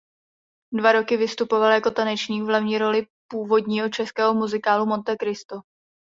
Dva roky vystupoval jako tanečník v hlavní roli původního českého muzikálu "Monte Cristo".